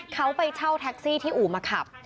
เขาไปเช่าแท็กซี่ที่อู่มาขับ